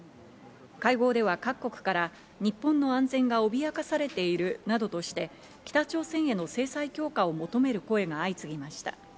会合では各国から日本の安全が脅かされているなどとして、北朝鮮への制裁強化を求める声が相次ぎました。